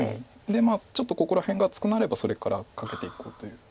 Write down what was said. でちょっとここら辺が厚くなればそれからカケていこうという。